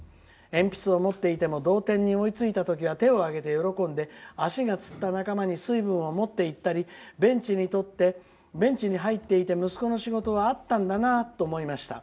鉛筆を持っていても同点に追いついた時は手を上げて喜んで足がつった仲間に水分を持って行ったりベンチに入っていて息子の仕事はあったんだなと思いました。